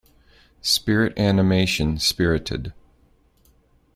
Spirit animation Spirited.